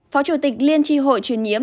phó chủ tịch liên tri hội chuyên nhiễm